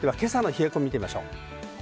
では今朝の冷え込み、みてみましょう。